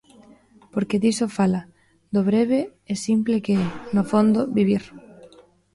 Porque diso fala: do breve e simple que é, no fondo, vivir.